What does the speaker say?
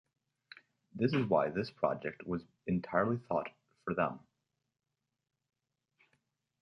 This is why this project was entirely thought for them.